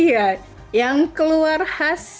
iya yang keluar khas